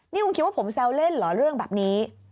นี่คุณคิดว่าผมแซวเล่นเหรอเรื่องแบบนี้